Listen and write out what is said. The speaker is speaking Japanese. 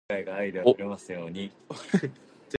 お